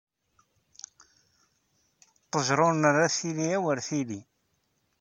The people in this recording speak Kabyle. Ṭejra ur nerra tili awer tili.